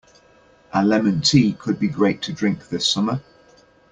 A lemon tea could be great to drink this summer.